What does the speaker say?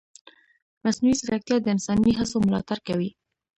مصنوعي ځیرکتیا د انساني هڅو ملاتړ کوي.